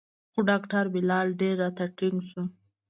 خو ډاکتر بلال ډېر راته ټينګ سو.